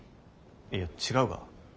いや違うが。